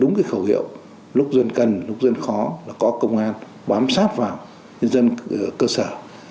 đúng cái khẩu hiệu lúc dân cần lúc dân khó là có công an bám sát vào dân cơ sở